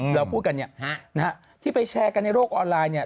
เราพูดกันเนี่ยนะฮะที่ไปแชร์กันในโลกออนไลน์เนี่ย